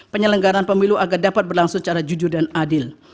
penyelenggaran pemilu agar dapat berlangsung secara jujur dan adil